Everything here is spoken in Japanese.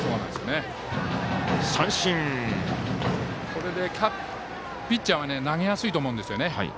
これでピッチャーは投げやすいと思うんです。